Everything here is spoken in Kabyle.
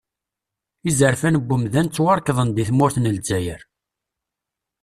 Izerfan n wemdan ttwarekḍen di tmurt n lezzayer.